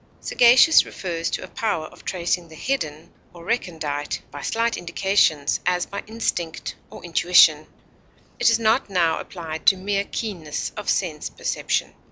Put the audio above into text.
Sagacious refers to a power of tracing the hidden or recondite by slight indications, as by instinct or intuition; it is not now applied to mere keenness of sense perception.